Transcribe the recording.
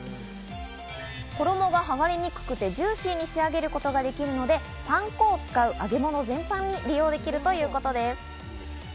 衣がはがれにくくてジューシーに仕上げることができるので、パン粉を使う揚げ物全般に利用できるということです。